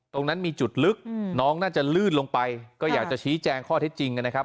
ตรงนั้นมีจุดลึกน้องน่าจะลื่นลงไปก็อยากจะชี้แจงข้อเท็จจริงกันนะครับ